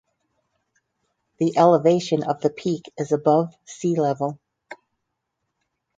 The elevation of the peak is above sea level.